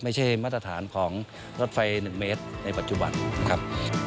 ไม่ใช่มาตรฐานของรถไฟ๑เมตรในปัจจุบันครับ